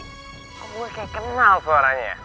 kok gue kayak kenal suaranya